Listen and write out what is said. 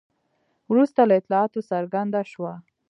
وروسته له اطلاعاتو څرګنده شوه.